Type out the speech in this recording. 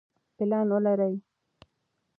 پلان ولرئ.